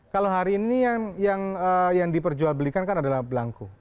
kalau hari ini yang diperjual belikan kan adalah belangku